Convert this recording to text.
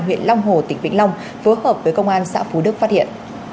huyện long hồ tỉnh vĩnh long phối hợp với công an xã phú đức phát hiện